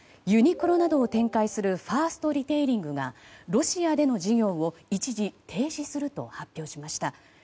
ユニクロなどを展開するファーストリテイリングがロシアでの事業を一時停止すると発表しました。